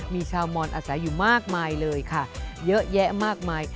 มีชาวมอนอาศัยอยู่มากมายเลยค่ะเยอะแยะมากมาย